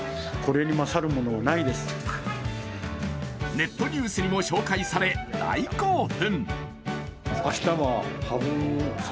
ネットニュースにも紹介され大興奮。